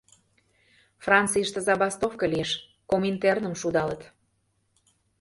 Францийыште забастовка лиеш — Коминтерным шудалыт.